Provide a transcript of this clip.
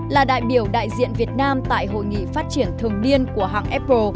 là đại biểu đại diện việt nam tại hội nghị phát triển thường niên của hãng apple